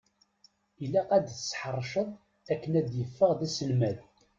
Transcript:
Ilaq ad t-tesseḥṛeceḍ akken ad d-yeffeɣ d aselmad!